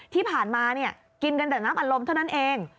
ที่ผ่านมากินกันแต่น้ำอารมณ์เท่านั้นเอง